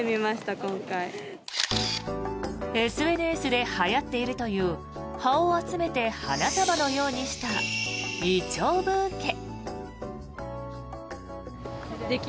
ＳＮＳではやっているという葉を集めて花束のようにしたイチョウブーケ。